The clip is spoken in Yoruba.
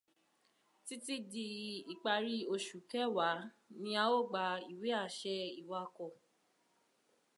Títí di ìparí oṣù kẹwàá ni a ó gba ìwé-àṣẹ ìwakọ̀